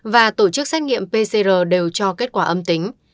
và tổ chức xét nghiệm pcr đều cho kết quả âm tính